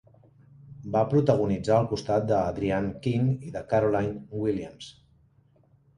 Va protagonitzar al costat de Adrienne King i de Caroline Williams.